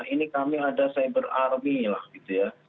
ini kami ada cyber army lah gitu ya